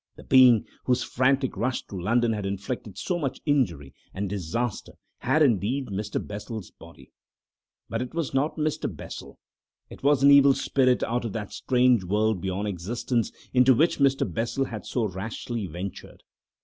The being whose frantic rush through London had inflicted so much injury and disaster had indeed Mr. Bessel's body, but it was not Mr. Bessel. It was an evil spirit out of that strange world beyond existence, into which Mr. Bessel had so rashly ventured.